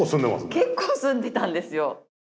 結構住んでたんですよ。